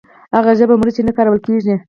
هغه ژبه مري چې نه کارول کیږي.